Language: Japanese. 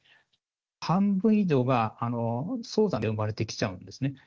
半分以上が早産で産まれてきちゃうんですね。